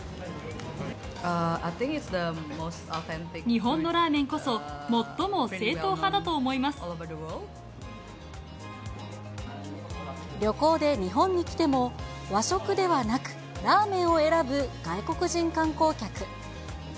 日本のラーメンこそ、旅行で日本に来ても、和食ではなく、ラーメンを選ぶ外国人観光客。